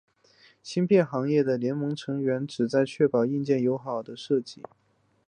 芯片行业的联盟成员旨在确保硬件友好的设计。